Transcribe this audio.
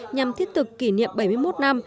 nhằm thiết thực kỷ niệm bảy mươi một năm